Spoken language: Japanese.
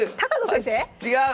違う！